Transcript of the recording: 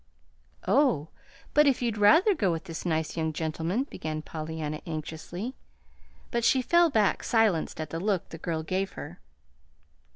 "Oh, but if you'd rather go with this nice young gentleman," began Pollyanna, anxiously; but she fell back silenced at the look the girl gave her.